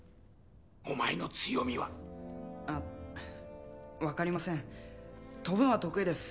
お前の強みはあっ分かりません飛ぶのは得意です